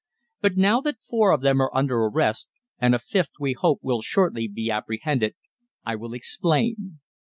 But now that four of them are under arrest, and a fifth, we hope, will shortly be apprehended, I will explain.